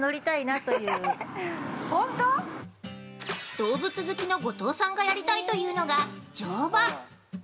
◆動物好きの後藤さんがやりたいというのが乗馬！